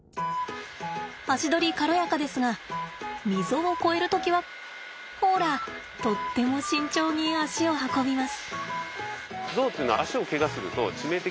足取り軽やかですが溝を越える時はほらとっても慎重に肢を運びます。